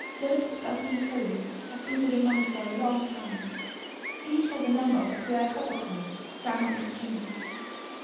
Lotus Blossom and Toyo have been saving money for a long time. Each has a number of square copper coins strung on a string.